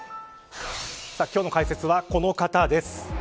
今日の解説はこの方です。